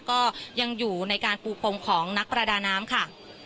ก็ยังอยู่ในการปูพรมของนักประดาน้ำค่ะ